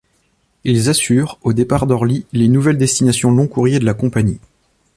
Ils assurent, au départ d'Orly, les nouvelles destinations long-courrier de la compagnie.